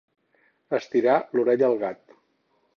Estirar l'orella al gat.